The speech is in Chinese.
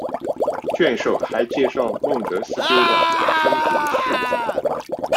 卷首还介绍孟德斯鸠的生平事迹。